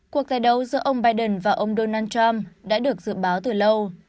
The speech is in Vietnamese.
cuộc giải đấu giữa ông biden và ông donald trump đã được dự báo từ lâu